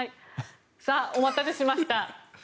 さあ、お待たせしました。